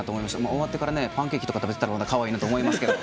終わってからパンケーキとか食べてたらかわいいなと思いますけど。